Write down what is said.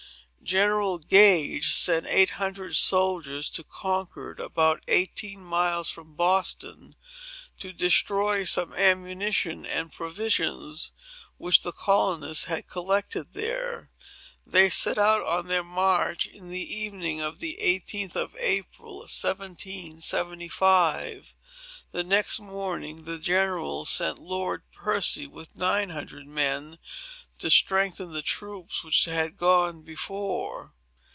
General Gage sent eight hundred soldiers to Concord, about eighteen miles from Boston, to destroy some ammunition and provisions which the colonists had collected there. They set out on their march in the evening of the 18th of April, 1775. The next morning, the General sent Lord Percy, with nine hundred men, to strengthen the troops which had gone before.